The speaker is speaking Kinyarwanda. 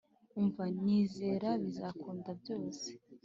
Umva nyizera bizakunda byose